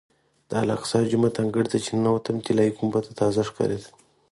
د الاقصی جومات انګړ ته چې ننوتم طلایي ګنبده تازه ښکارېده.